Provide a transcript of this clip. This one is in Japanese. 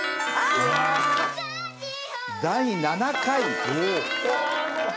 第７回。